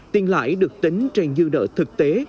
tiền lãi được tính trên dư nợ thực tế